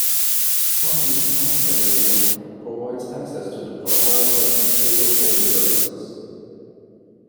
Huntleys Point ferry wharf provides access to the Parramatta River ferry services.